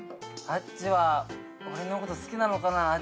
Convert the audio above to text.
あっちは俺のこと好きなのかな？